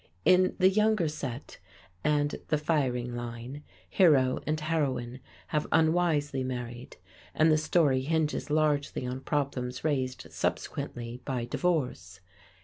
In "The Younger Set" and "The Firing Line" hero and heroine have unwisely married, and the story hinges largely on problems raised subsequently by divorce.